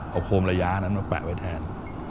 เอาโคมระยะนั้นมาแปะไว้แทน